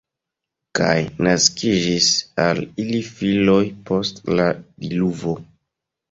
Kaj naskiĝis al ili filoj post la diluvo.